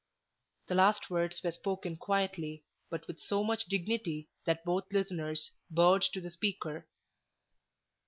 The last words were spoken quietly, but with so much dignity that both listeners bowed to the speaker.